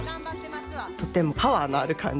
とてもパワーのある感じ。